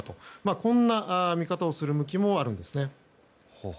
こんな見方をする動きもあるんですね。